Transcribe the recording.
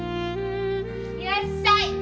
いらっしゃい！